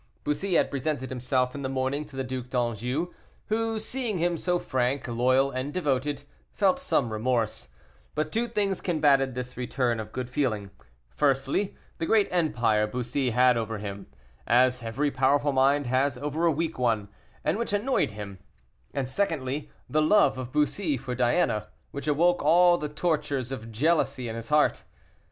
Bussy had presented himself in the morning to the Duc d'Anjou, who, seeing him so frank, loyal, and devoted, felt some remorse; but two things combated this return of good feeling firstly, the great empire Bussy had over him, as every powerful mind has over a weak one, and which annoyed him; and, secondly, the love of Bussy for Diana, which awoke all the tortures of jealousy in his heart.